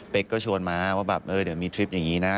เป๊กก็ชวนมาว่าอยากจะมีทริปอย่างนี้นะ